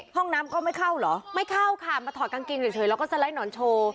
ห้องน้ำก็ไม่เข้าเหรอไม่เข้าค่ะมาถอดกางเกงเฉยแล้วก็สไลด์หนอนโชว์